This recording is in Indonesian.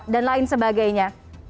dan lain sebagainya